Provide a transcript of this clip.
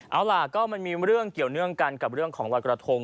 เอาล่ะก็มันมีเรื่องเกี่ยวเนื่องกันกับเรื่องของรอยกระทง